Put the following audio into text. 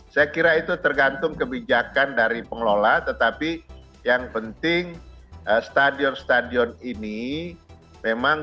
saya kira itu tergantung kebijakan dari pengelola tetapi yang penting stadion stadion ini memang